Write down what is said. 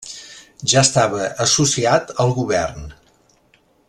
Ja estava associat al govern.